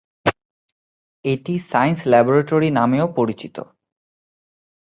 এটি science laboratory নামেও পরিচিত।